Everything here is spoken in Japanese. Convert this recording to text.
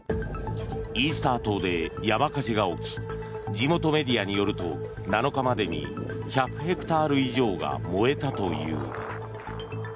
イースター島で山火事が起き地元メディアによると７日までに１００ヘクタール以上が燃えたという。